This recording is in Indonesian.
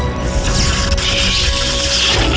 aku akan menang